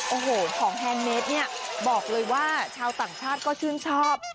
โอ้โหของแฮนดเมสเนี่ยบอกเลยว่าชาวต่างชาติก็ชื่นชอบ